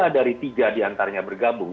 dua dari tiga di antaranya bergabung